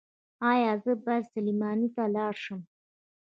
ایا زه باید سلماني ته لاړ شم؟